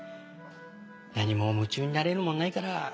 何も夢中になれるものないから。